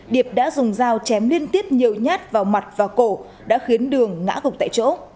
điệp đã dùng dao chém liên tiếp nhiều nhát vào mặt và cổ đã khiến đường ngã gục tại chỗ